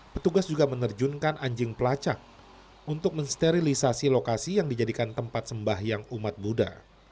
petugas juga menerjunkan anjing pelacak untuk mensterilisasi lokasi yang dijadikan tempat sembahyang umat buddha